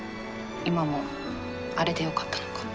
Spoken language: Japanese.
今もあれでよかったのか。